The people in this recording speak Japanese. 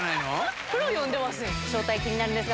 プロ呼んでますよ。